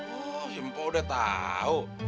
oh ya mpok udah tahu